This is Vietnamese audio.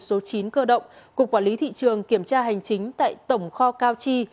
số chín cơ động cục quản lý thị trường kiểm tra hành chính tại tổng kho cao chi